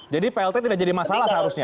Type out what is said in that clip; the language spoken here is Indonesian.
jadi plt tidak jadi masalah seharusnya